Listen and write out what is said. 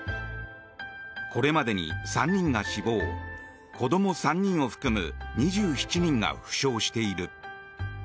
これまでに３人が死亡子ども３人を含む２７人が負傷している。